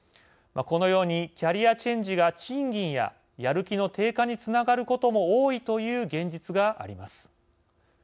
このように、キャリアチェンジが賃金や、やる気の低下につながることも多いという現実があります。